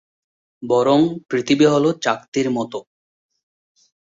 বরং পৃথিবী হলো চাকতির মতো।